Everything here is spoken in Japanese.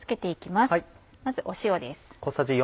まず塩です。